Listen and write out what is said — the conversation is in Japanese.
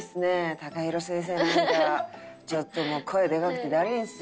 ＴＡＫＡＨＩＲＯ先生なんかちょっと声でかくてだるいんすよ。